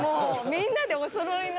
みんなでおそろいの。